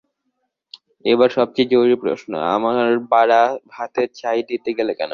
এবার সবচেয়ে জরুরী প্রশ্ন, আমার বাড়া ভাতে ছাই দিতে গেলে কেন?